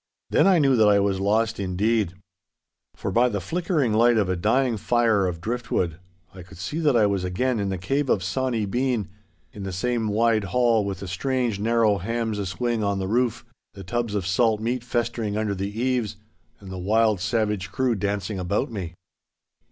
Then I knew that I was lost indeed. For by the flickering light of a dying fire of driftwood I could see that I was again in the cave of Sawny Bean, in the same wide hall with the strange narrow hams a swing on the roof, the tubs of salt meat festering under the eaves, and the wild savage crew dancing about me.